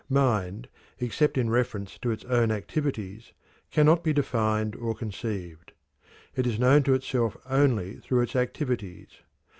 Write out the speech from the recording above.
Mind, except in reference to its own activities, cannot be defined or conceived. It is known to itself only through its activities.